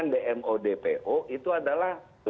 dmo dpo itu adalah